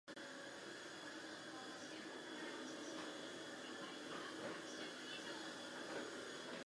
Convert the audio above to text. Drude was survived by his wife and four children.